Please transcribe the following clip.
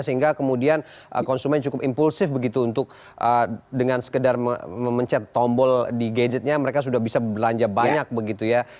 sehingga kemudian konsumen cukup impulsif begitu untuk dengan sekedar memencet tombol di gadgetnya mereka sudah bisa belanja banyak begitu ya